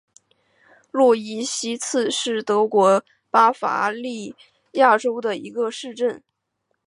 诺伊西茨是德国巴伐利亚州的一个市镇。